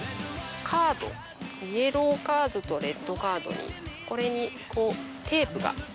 カードイエローカードとレッドカードにこれにこうテープが。